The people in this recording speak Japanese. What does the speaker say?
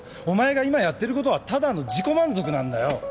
お前が今やってる事はただの自己満足なんだよ。